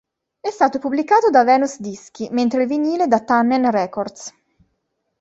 È stato pubblicato da Venus Dischi, mentre il vinile da Tannen Records.